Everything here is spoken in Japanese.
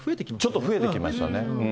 ちょっと増えてきましたね。